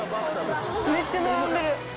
めっちゃ並んでる。